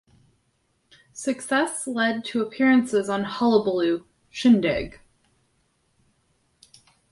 Success led to appearances on "Hullabaloo", "Shindig!